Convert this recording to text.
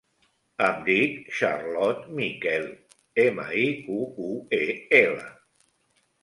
Em dic Charlotte Miquel: ema, i, cu, u, e, ela.